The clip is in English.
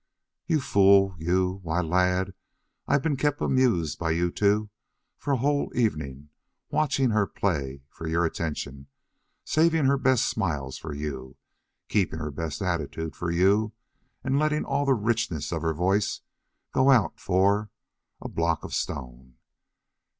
"You fool, you! Why, lad, I've been kept amused by you two for a whole evening, watching her play for your attention, saving her best smiles for you, keeping her best attitudes for you, and letting all the richness of her voice go out for a block a stone.